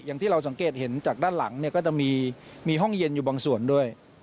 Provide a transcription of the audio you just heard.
อย่างที่เราสังเกตเห็นจากด้านหลังเนี่ยก็จะมีห้องเย็นอยู่บางส่วนด้วย